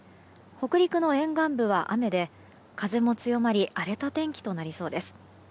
北陸の沿岸部は雨で風も強まり荒れた天気となりそうです。